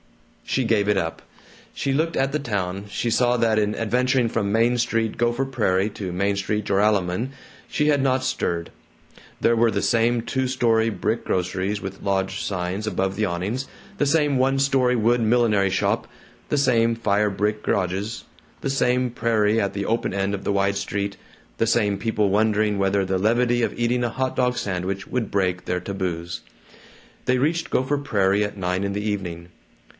She gave it up. She looked at the town. She saw that in adventuring from Main Street, Gopher Prairie, to Main Street, Joralemon, she had not stirred. There were the same two story brick groceries with lodge signs above the awnings; the same one story wooden millinery shop; the same fire brick garages; the same prairie at the open end of the wide street; the same people wondering whether the levity of eating a hot dog sandwich would break their taboos. They reached Gopher Prairie at nine in the evening.